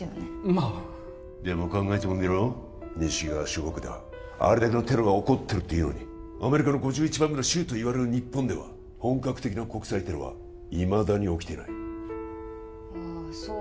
まあでも考えてもみろ西側諸国ではあれだけのテロが起こってるっていうのにアメリカの５１番目の州といわれる日本では本格的な国際テロはいまだに起きていないああそう言えば